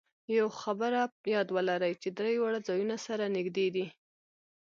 یوه خبره یاد ولرئ چې درې واړه ځایونه سره نږدې دي.